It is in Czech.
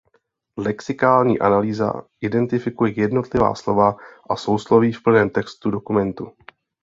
Lexikální analýza identifikuje jednotlivá slova a sousloví v plném textu dokumentu.